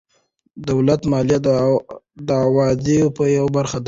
دولت مالیه د عوایدو یوه برخه ده.